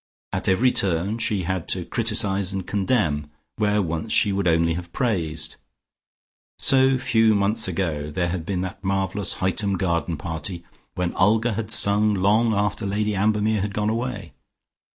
At every turn she had to criticise and condemn where once she would only have praised. So few months ago, there had been that marvellous Hightum garden party, when Olga had sung long after Lady Ambermere had gone away.